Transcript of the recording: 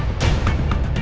apa dia keluar ya